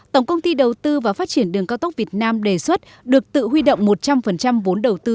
tổng công ty đầu tư và phát triển đường cao tốc việt nam đề xuất được tự huy động một trăm linh vốn đầu tư